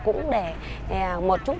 cũng để một chút